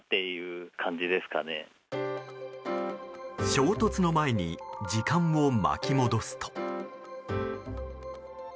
衝突の前に時間を巻き戻すと。